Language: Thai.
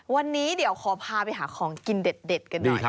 วันนี้เดี๋ยวขอพาไปหาของกินเด็ดกันหน่อย